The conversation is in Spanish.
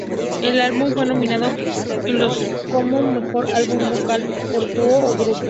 El álbum fue nominado en los como mejor álbum vocal pop dúo o grupo.